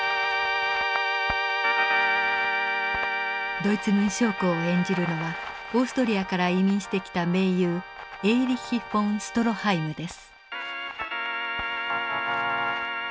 ドイツ軍将校を演じるのはオーストリアから移民してきた名優エーリッヒ・フォン・ストロハイムです。